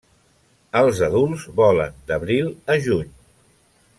Els adults volen d'abril a juny.